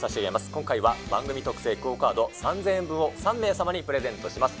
今回は番組特製ＱＵＯカード３０００円分を３名様にプレゼントします。